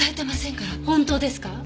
本当ですか？